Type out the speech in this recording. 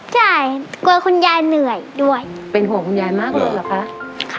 ใช่กลัวคุณยายเหนื่อยด้วยเป็นห่วงคุณยายมากเลยเหรอคะ